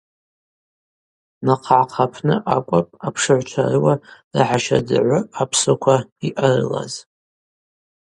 Нахъгӏахъ апны акӏвпӏ апшыгӏвчва рыуа рахӏа щардагӏвы апсуаква йъарылаз.